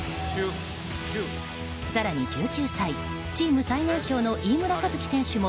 更に１９歳、チーム最年少の飯村一輝選手も